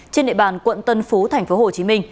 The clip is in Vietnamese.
trên địa bàn quận tân phú tp hcm